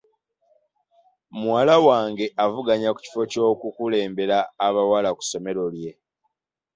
Muwala wange avuganya ku kifo ky'oku kulembera abawala ku ssomero lye.